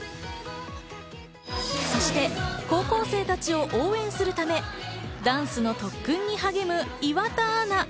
そして高校生たちを応援するため、ダンスの特訓に励む岩田アナ。